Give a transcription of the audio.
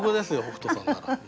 北斗さんなら。